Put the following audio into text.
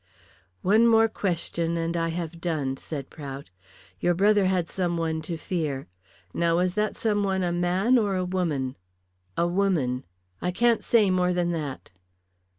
"One more question and I have done," said Prout. "Your brother had some one to fear. Now was that some one a man or a woman?" "A woman. I can't say more than that."